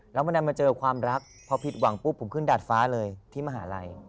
แล้ววันนั้นมาเจอความรักพอผิดหวังปุ๊บผมขึ้นดาดฟ้าเลยที่มหาลัย